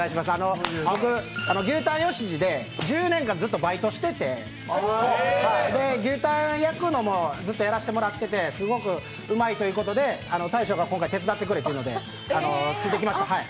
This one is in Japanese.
僕、牛たん吉次でずっとバイトさせてもらってて牛タン焼くのもずっとやらせてもらっててすごくうまいということで大将が今回、手伝ってくれということで僕来ました。